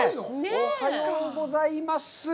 おはようございます。